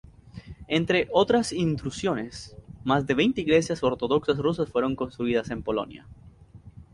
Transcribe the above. Entre otras intrusiones, más de veinte iglesias ortodoxas rusas fueron construidas en Polonia.